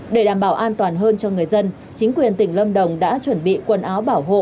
để đảm bảo an toàn hơn cho người dân chính quyền tỉnh lâm đồng đã chuẩn bị quần áo bảo hộ